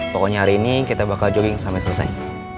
pokoknya hari ini kita bakal jogging sampai selesai